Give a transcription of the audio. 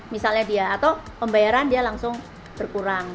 misalnya dia atau pembayaran dia langsung berkurang